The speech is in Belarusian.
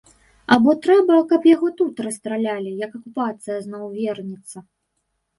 Або трэба, каб яго тут расстралялі, як акупацыя зноў вернецца?